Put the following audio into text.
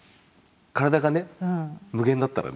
体がね無限だったらね。